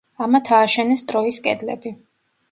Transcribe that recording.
ამათ ააშენეს ტროის კედლები.